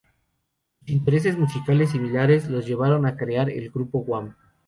Sus intereses musicales similares los llevaron a crear el grupo Wham!.